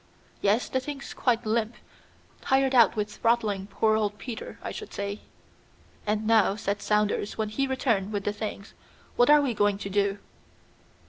"Yes, the thing's quite limp; tired out with throttling poor old Peter, I should say." "And now," said Saunders when he returned with the things, "what are we going to do?"